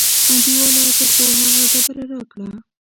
انډیواله ته خو هغه ډبره راکړه.